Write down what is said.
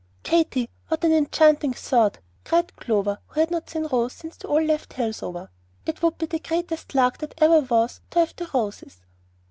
"Katy, what an enchanting thought!" cried Clover, who had not seen Rose since they all left Hillsover. "It would be the greatest lark that ever was to have the Roses.